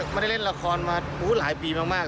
ไม่ได้เล่นละครมาหลายปีมาก